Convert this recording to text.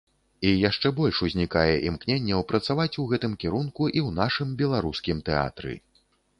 І яшчэ больш узнікае імкненняў працаваць у гэтым кірунку і ў нашым беларускім тэатры.